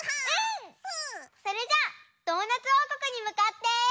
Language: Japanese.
それじゃあドーナツおうこくにむかって。